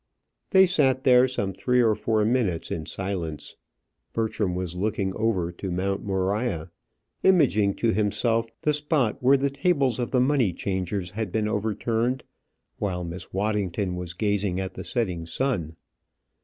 They sat there some three or four minutes in silence. Bertram was looking over to Mount Moriah, imaging to himself the spot where the tables of the money changers had been overturned, while Miss Waddington was gazing at the setting sun.